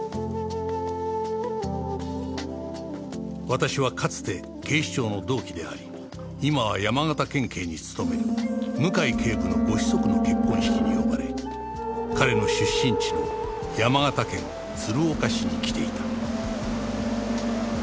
私はかつて警視庁の同期であり今は山形県警に勤める向井警部のご子息の結婚式に呼ばれ彼の出身地の山形県鶴岡市に来ていた